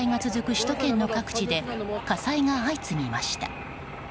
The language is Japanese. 首都圏の各地で火災が相次ぎました。